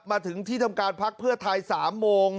มาถึงที่ทำการพักเพื่อไทย๓โมง